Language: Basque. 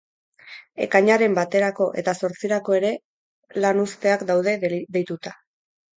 Ekainaren baterako eta zortzirako ere lanuzteak daude deituta.